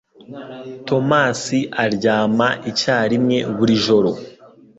Tomasi aryama icyarimwe buri joro.